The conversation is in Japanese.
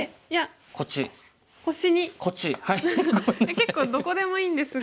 結構どこでもいいんですが。